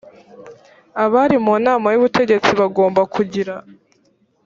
abari mu nama y ubutegetsi bagomba kugira